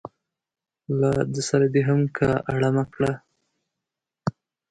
له ده سره دې هم که اړمه کړه.